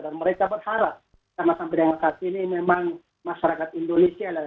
dan mereka berharap karena sampai dengan saat ini memang masyarakat indonesia